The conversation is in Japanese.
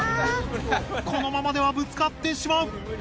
このままではぶつかってしまう！